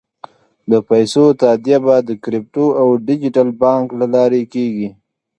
د پیسو تادیه به د کریپټو او ډیجیټل بانک له لارې کېږي.